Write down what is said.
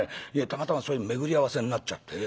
たまたまそういう巡り合わせになっちゃって。